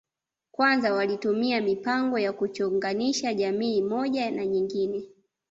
Kwanza walitumia mipango ya kuchonganisha jamii moja na nyingine